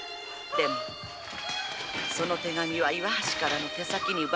でもその手紙は「岩橋」の手先に奪われ。